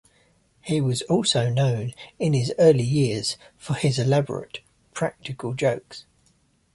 He was also known in his early years for his elaborate practical jokes.